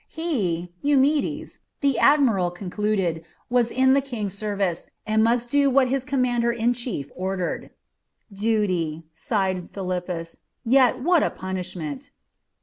He, Eumedes, the admiral concluded, was in the King's service, and must do what his commander in chief ordered. "Duty," sighed Philippus; "yet what a punishment!"